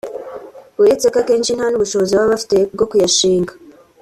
uretse ko akenshi nta n’ubushobozi baba bafite bwo kuyashinga